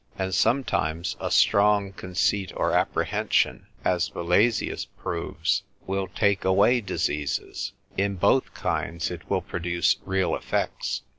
And sometimes a strong conceit or apprehension, as Valesius proves, will take away diseases: in both kinds it will produce real effects.